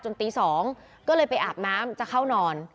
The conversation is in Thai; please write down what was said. ตี๒ก็เลยไปอาบน้ำจะเข้านอน